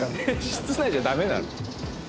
室内じゃダメなの？